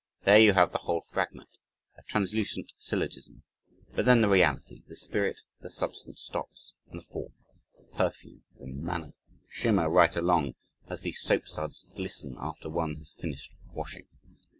There you have the "whole fragment," a translucent syllogism, but then the reality, the spirit, the substance stops and the "form," the "perfume," the "manner," shimmer right along, as the soapsuds glisten after one has finished washing.